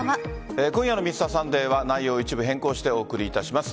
今夜の「Ｍｒ．サンデー」は内容を一部変更してお送りいたします。